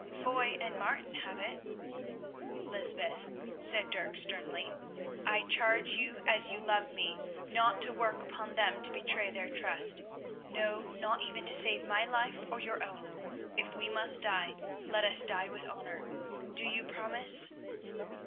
"Foy and Martin have it." "Lysbeth," said Dirk sternly, "I charge you as you love me not to work upon them to betray their trust; no, not even to save my life or your own—if we must die, let us die with honour. Do you promise?"